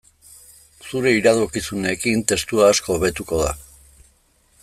Zure iradokizunekin testua asko hobetuko da.